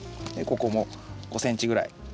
ここも５ｃｍぐらい。